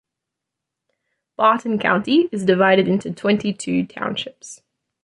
Barton County is divided into twenty-two townships.